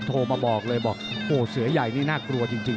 โทรมาบอกเลยบอกโอ้เสือใหญ่นี่น่ากลัวจริง